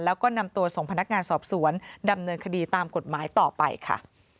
แล้วก็นำตัวส่งพนักงานสอบสวนดำเนินคดีตามกฎหมายต่อไปค่ะ